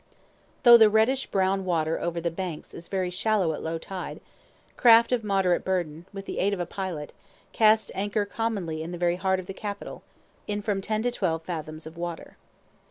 Though the reddish brown water over the "banks" is very shallow at low tide, craft of moderate burden, with the aid of a pilot, cast anchor commonly in the very heart of the capital, in from ten to twelve fathoms of water.